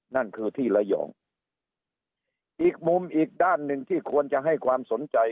นั่นคือที่ระยองอีกมุมอีกด้านหนึ่งที่ควรจะให้ความสนใจ